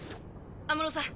安室さん